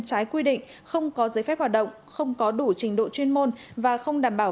trái quy định không có giấy phép hoạt động không có đủ trình độ chuyên môn và không đảm bảo